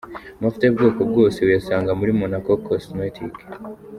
Amavuta y'ubwoko bwose uyasanga muri Monaco Cosmetics.